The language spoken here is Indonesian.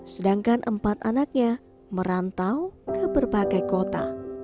sedangkan empat anaknya merantau ke berbagai kota